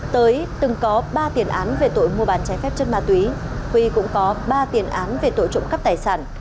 tới từng có ba tiền án về tội mua bán trái phép chất ma túy huy cũng có ba tiền án về tội trộm cắp tài sản